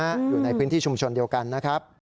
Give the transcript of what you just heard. อยู่ในพื้นที่ชุมชนเดียวกันนะครับ